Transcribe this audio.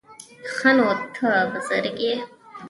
_ښه نو، ته بزرګ يې؟